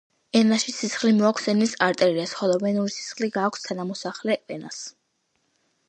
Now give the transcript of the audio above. ენაში სისხლი მოაქვს ენის არტერიას, ხოლო ვენური სისხლი გააქვს თანამოსახელე ვენას.